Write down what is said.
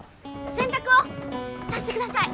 洗濯をさしてください。